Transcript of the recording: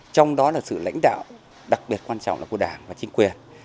trong đó là sự lãnh đạo đặc biệt quan trọng là của đảng và chính quyền